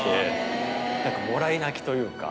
何かもらい泣きというか。